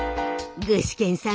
具志堅さん